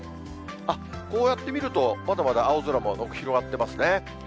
こうやって見ると、まだまだ青空も広がってますね。